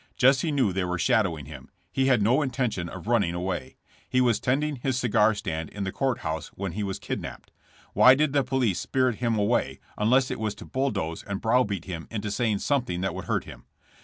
Jesse knew they were shadowing him. He had no intention of running away. He was tending his cigar stand in the court house when he was kidnapped. Why did the police spirit him away unless it was to bulldoze and brow beat him into saying something that would hurt him